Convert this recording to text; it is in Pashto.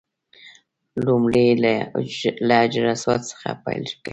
لومړی له حجر اسود څخه پیل کوي.